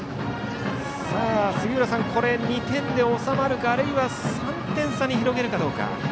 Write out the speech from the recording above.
杉浦さん、これ２点で収まるかあるいは３点差に広げるかどうか。